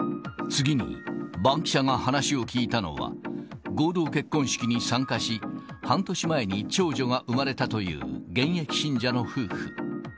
次に、バンキシャが話を聞いたのは、合同結婚式に参加し、半年前に長女が産まれたという現役信者の夫婦。